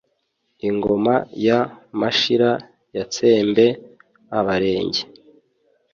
Ingoma ya Mashira yatsembe Abarenge